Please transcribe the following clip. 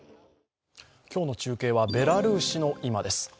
今日の中継はベラルーシの今です。